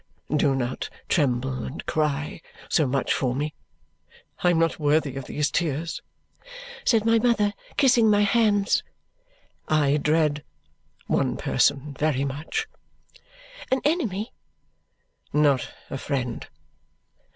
Do not tremble and cry so much for me. I am not worthy of these tears," said my mother, kissing my hands. "I dread one person very much." "An enemy?" "Not a friend.